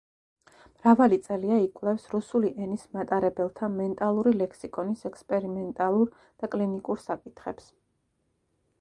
მრავალი წელია იკვლევს რუსული ენის მატარებელთა „მენტალური ლექსიკონის“ ექსპერიმენტალურ და კლინიკურ საკითხებს.